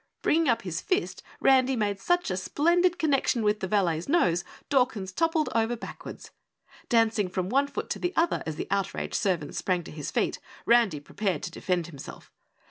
Bringing up his fist, Randy made such a splendid connection with the valet's nose, Dawkins toppled over backwards. Dancing from one foot to the other as the outraged servant sprang to his feet, Randy prepared to defend himself.